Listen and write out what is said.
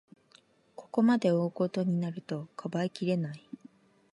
ここまで大ごとになると、かばいきれない